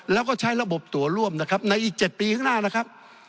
แล้วก็ใช้ระบบตัวร่วมนะครับในอีก๗ปีข้างหน้านะครับ